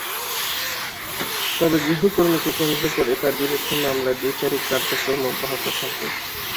তবে গৃহকর্মীকে কেন্দ্র করে তাঁর বিরুদ্ধে মামলার বিচারিক কার্যক্রম অব্যাহত থাকবে।